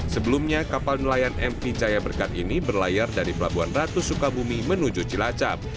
sebelumnya kapal nelayan mv jaya berkat ini berlayar dari pelabuhan ratu sukabumi menuju cilacap